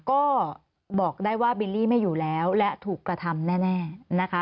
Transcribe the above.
ก็บอกได้ว่าบิลลี่ไม่อยู่แล้วและถูกกระทำแน่นะคะ